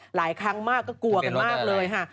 หลายครั้งมากก็กลัวกันมากเลยค่ะ